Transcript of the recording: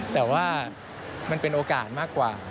แต่ว่ามันเป็นโอกาสมากกว่า